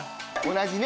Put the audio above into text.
同じね